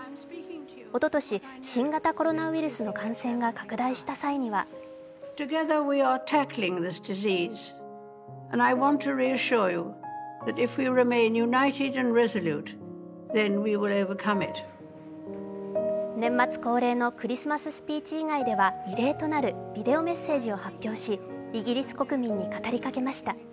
おととし、新型コロナウイルスの感染が拡大した際には年末恒例のクリスマススピーチ以外では異例となるビデオメッセージを発表しイギリス国民に語りかけました。